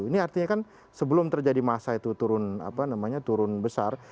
ini artinya kan sebelum terjadi masa itu turun besar